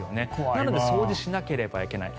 なので掃除しなければいけない。